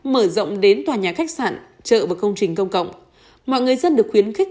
mở rộng đến tòa nhà khách sạn chợ và công trình công cộng mọi người dân được khuyến khích